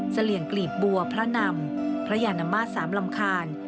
เหลี่ยงกลีบบัวพระนำพระยานมาตร๓ลำคาญ